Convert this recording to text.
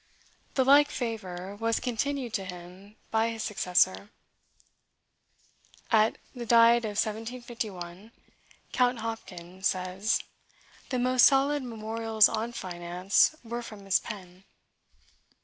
The like favor was continued to him by his successor. At the Diet of 1751, Count Hopken says, the most solid memorials on finance were from his pen.